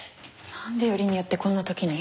なんでよりによってこんな時に？